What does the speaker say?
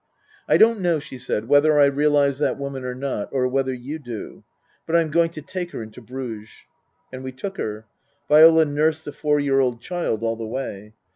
" I don't know," she said, " whether I realize that woman or not, or whether you do. But I'm going to take her into Bruges." And we took her. (Viola nursed the four year old child all the way.)